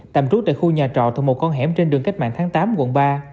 tạm trú tại khu nhà trọ từ một con hẻm trên đường cách mạng tháng tám quận ba